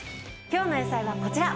今日の野菜はこちら。